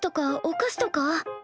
お菓子とか？